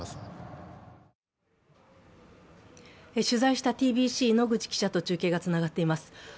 取材したＴＢＣ野口記者と中継がつながっています。